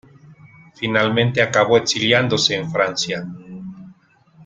Finalmente acabó exiliándose en Francia.